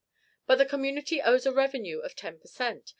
But the community owes a revenue of ten per cent.